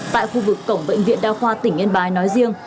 tại khu vực cổng bệnh viện đa khoa tỉnh yên bái nói riêng